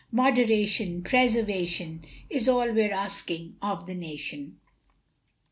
Moderation, preservation, Is all we're asking of the nation!